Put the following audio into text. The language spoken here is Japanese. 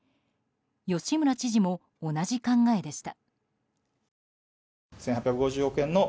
吉村知事も同じ考えでした。